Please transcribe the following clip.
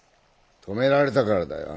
止められたからだよ